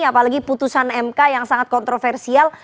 apalagi putusan mk yang sangat kontroversial